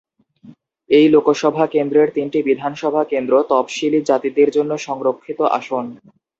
এই লোকসভা কেন্দ্রের তিনটি বিধানসভা কেন্দ্র তফসিলী জাতিদের জন্য সংরক্ষিত আসন।